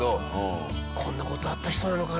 こんな事あった人なのかな？